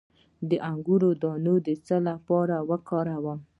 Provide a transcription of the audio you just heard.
د انګور دانه د څه لپاره وکاروم؟